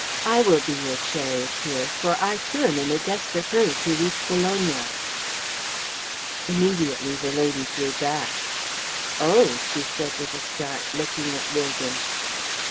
I will be your charioteer, for I too am in a desperate hurry to reach Bologna." Immediately the lady drew back. "Oh!" she said with a start, looking at Wogan.